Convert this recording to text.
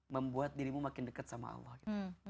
membuat dirimu makin dekat sama allah gitu